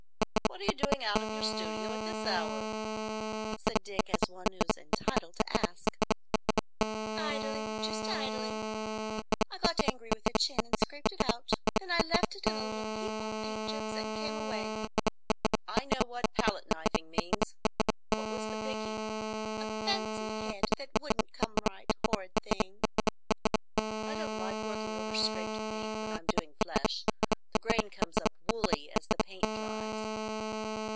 "What are you doing out of your studio at this hour?" said Dick, as one who was entitled to ask. "Idling. Just idling. I got angry with a chin and scraped it out. Then I left it in a little heap of paint chips and came away." "I know what palette knifing means. What was the piccy?" "A fancy head that wouldn't come right,—horrid thing!" "I don't like working over scraped paint when I'm doing flesh. The grain comes up woolly as the paint dries."